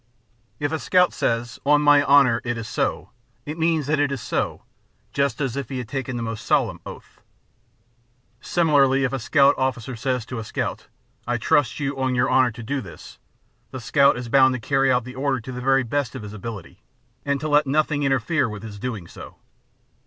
If a scout says " On my honor it is so," that means that it is so, just as if he had taken a most solemn oath. Similarl}^ if a scout officer says to a scout, '* I trust you on your honor to do this," the scout is bound to carry out the order to the very best of his abiHty, and to let nothing interfere with his doing so.